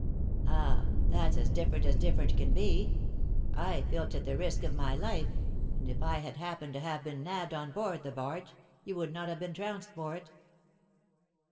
"Ah, that's as different as different can be! I filch at the risk of my life; and if I had happened to have been nabbed on board the barge, you would not have been trounced for it."